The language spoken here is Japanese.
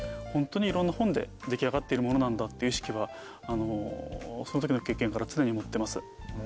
ホントにいろんな本で出来上がっているものなんだっていう意識はそのときの経験から常に持ってます。